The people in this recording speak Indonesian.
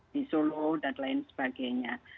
di solo dan lain sebagainya